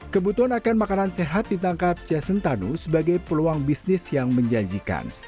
kebutuhan akan makanan sehat ditangkap jason tanu sebagai peluang bisnis yang menjanjikan